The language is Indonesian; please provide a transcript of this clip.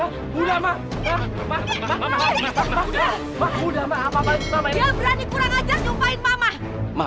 dia berani kurang ajar serpain mama